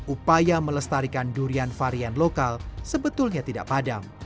upaya melestarikan durian varian lokal sebetulnya tidak padam